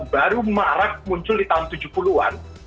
baru marak muncul di tahun tujuh puluh an